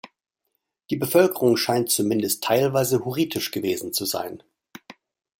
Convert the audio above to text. Die Bevölkerung scheint zumindest teilweise hurritisch gewesen zu sein.